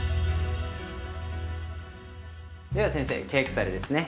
では先生ケークサレですね。